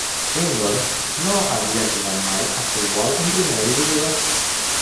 Swindon no havia jugat mai a futbol en primera divisió.